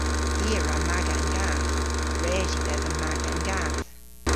I a wra maga an gath. Res yw dhedha maga an gath.